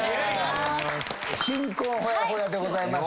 新婚ほやほやでございます。